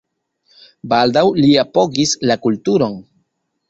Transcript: Baldaŭ li apogis la kulturon.